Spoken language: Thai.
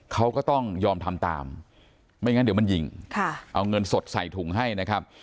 เขาก็ต้องยอมทำตามไม่งั้นเดี๋ยวมันยิงเอาเงินสดใส่ถุงให้นะครับ